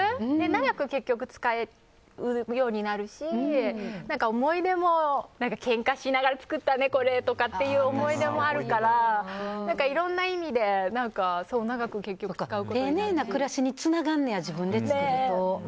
長く使えるようになるし思い出も、けんかしながら作ったね、これとかっていう思い出もあるからいろんな意味で長く結局使うことになるし。